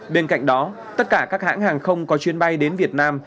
bên cạnh đó tất cả các hãng hàng không có chuyến bay đến việt nam